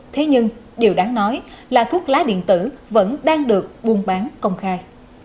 thế nhưng điều đáng nói là thuốc lá điện tử vẫn đang được buôn bán công khai